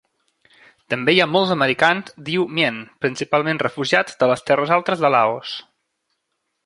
També hi ha molts americans d'Iu Mien, principalment refugiats de les terres altes de Laos.